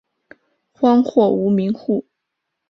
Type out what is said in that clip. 荒或无民户。